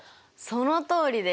そのとおりです。